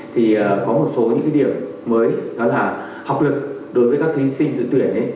thì có một số những điểm mới đó là học lực đối với các thí sinh dự tuyển